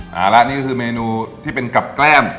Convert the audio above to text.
เอาละนี่ก็คือเมนูที่เป็นกับแกล้ม